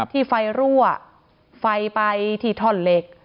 ที่ไฟรั่วไฟไปที่ท่อนเหล็ก